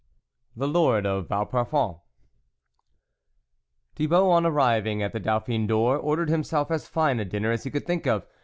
XV THE LORD OF VAUPARFOND '"T^HIBAULT, on arriving at the Dau phin d'Or, ordered himself as fine a dinner as he could think of.